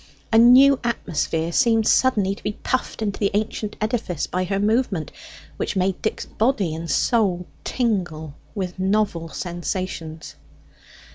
A new atmosphere seemed suddenly to be puffed into the ancient edifice by her movement, which made Dick's body and soul tingle with novel sensations.